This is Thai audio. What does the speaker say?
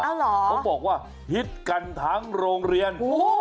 เขาบอกว่าฮิตกันทั้งโรงเรียน